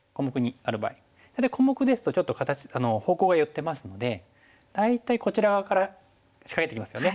小目ですとちょっと方向が寄ってますので大体こちらから近寄ってきますよね。